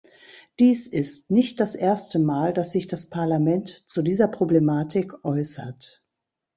Dies ist nicht das erste Mal, dass sich das Parlament zu dieser Problematik äußert.